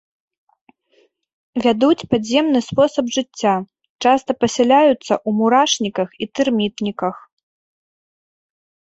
Вядуць падземны спосаб жыцця, часта пасяляюцца ў мурашніках і тэрмітніках.